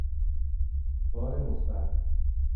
بار مثبت